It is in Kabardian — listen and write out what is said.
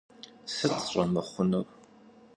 Сыт щӀэмыхъунур?